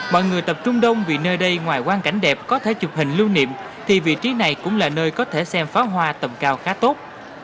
mọi người tập trung đông vì nơi đây ngoài quan cảnh đẹp có thể chụp hình lưu niệm thì vị trí này cũng là nơi có thể xem phá hoa tầm cao khá tốt